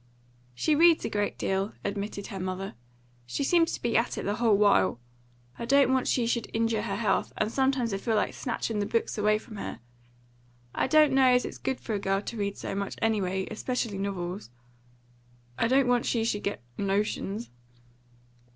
"She reads a great deal," admitted her mother. "She seems to be at it the whole while. I don't want she should injure her health, and sometimes I feel like snatchin' the books away from her. I don't know as it's good for a girl to read so much, anyway, especially novels. I don't want she should get notions."